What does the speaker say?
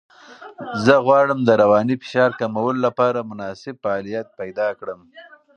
زه غواړم د رواني فشار کمولو لپاره مناسب فعالیت پیدا کړم.